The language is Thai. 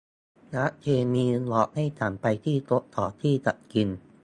นักเคมีบอกให้ฉันไปที่โต๊ะก่อนที่จะกิน